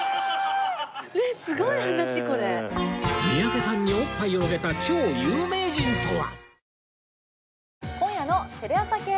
三宅さんにおっぱいをあげた超有名人とは？